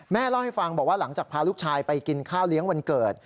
เล่าให้ฟังบอกว่าหลังจากพาลูกชายไปกินข้าวเลี้ยงวันเกิด